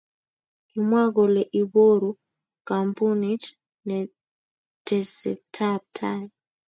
Kimwa kole iboru kampuniit teseetab tai.